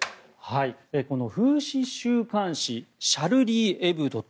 この風刺週刊紙シャルリー・エブドと。